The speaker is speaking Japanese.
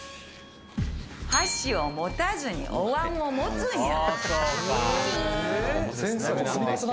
箸を持たずにお椀を持つんや！